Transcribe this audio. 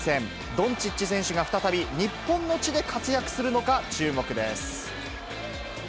ドンチッチ選手が再び日本の地で活躍するのか、注目です。